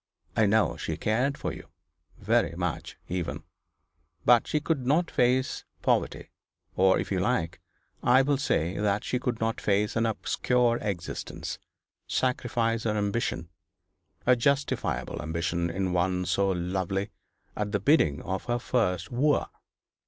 I know she cared for you very much, even. But she could not face poverty; or, if you like, I will say that she could not face an obscure existence sacrifice her ambition, a justifiable ambition in one so lovely, at the bidding of her first wooer.